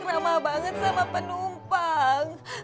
ramah banget sama penumpang